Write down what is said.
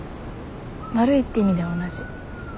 悪いって意味では同じ。